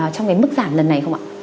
trong cái mức giảm lần này không ạ